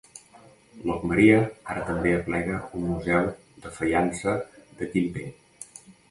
Locmaria ara també aplega un museu de faiança de Quimper.